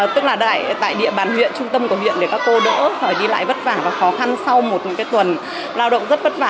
tức là tại địa bàn huyện trung tâm của huyện để các cô đỡ phải đi lại vất vả và khó khăn sau một tuần lao động rất vất vả